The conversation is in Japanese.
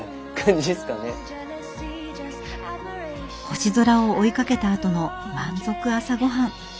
星空を追いかけたあとの満足朝ごはん。